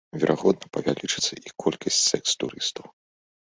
Верагодна, павялічыцца і колькасць сэкс-турыстаў.